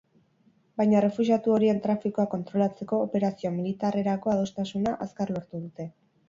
Baina errefuxiatu horien trafikoa kontrolatzeko operazio militarrerako adostasuna, azkar lortu dute.